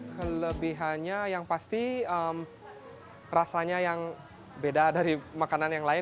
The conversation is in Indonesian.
kelebihannya yang pasti rasanya yang beda dari makanan yang lain